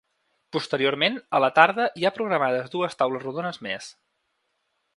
Posteriorment, a la tarda hi ha programades dues taules rodones més.